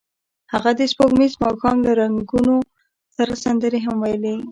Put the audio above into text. هغوی د سپوږمیز ماښام له رنګونو سره سندرې هم ویلې.